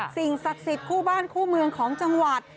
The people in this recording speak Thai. สิ่งศักดิ์สิทธิ์คู่บ้านคู่เมืองของจังหวัด